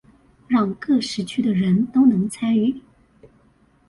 讓各時區的人都能參與